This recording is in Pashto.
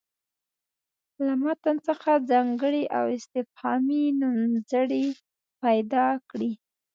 له متن څخه ځانګړي او استفهامي نومځړي پیدا کړي.